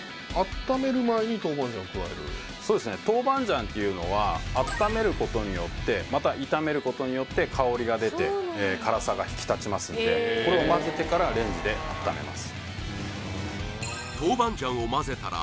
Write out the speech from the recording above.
豆板醤っていうのは温めることによってまた炒めることによって香りが出て辛さが引き立ちますんでこれをまぜてからレンジで温めます